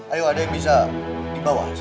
ayo ada yang bisa di bawah